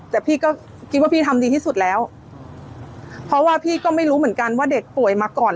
แต่พี่ก็คิดว่าพี่ทำดีที่สุดแล้วเพราะว่าพี่ก็ไม่รู้เหมือนกันว่าเด็กป่วยมาก่อน